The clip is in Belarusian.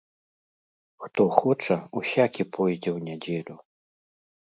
Хто хоча, усякі пойдзе ў нядзелю.